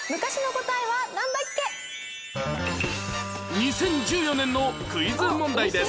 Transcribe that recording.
２０１４年のクイズ問題です